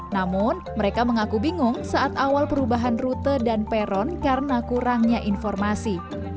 namun mereka mengaku bingung saat awal perubahan rute dan peron karena kurangnya informasi